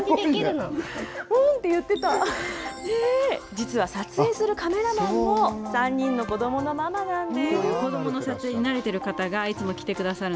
実は撮影するカメラマンも、３人の子どものママなんです。